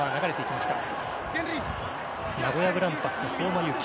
名古屋グランパスの相馬勇紀。